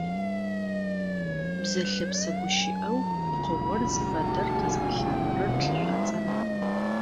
Бзэ лъэпсэ гущыӀэу пкъыгъор зыфэдэр къэзыгъэлъагъорэр плъышъуацӀэр ары.